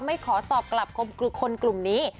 ไม่ขอตอบกลับคนกลุ่มนี้